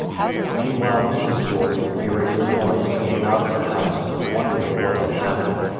Meanwhile Mrs. Gordon, hearing the noise, came out of the house, wondering what had happened.